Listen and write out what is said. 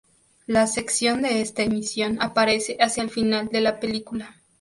La sección de esta emisión aparece hacia el final de la película.